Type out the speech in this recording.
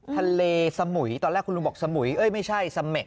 ทะเลสมุยตอนแรกคุณลุงบอกสมุยเอ้ยไม่ใช่เสม็ด